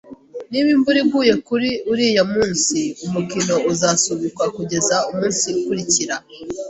Niba imvura iguye kuri uriya munsi, umukino uzasubikwa kugeza umunsi ukurikira